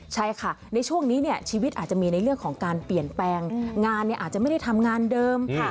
ใช่ค่ะในช่วงนี้ชีวิตอาจจะมีในเรื่องของการเปลี่ยนแปลงงานอาจจะไม่ได้ทำงานเดิมค่ะ